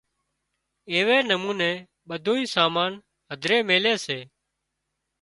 ايوي نموني ٻڌونئين سامان هڌري ميلي سي